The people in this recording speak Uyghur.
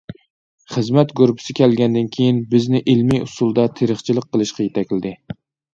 خىزمەت گۇرۇپپىسى كەلگەندىن كېيىن، بىزنى ئىلمىي ئۇسۇلدا تېرىقچىلىق قىلىشقا يېتەكلىدى.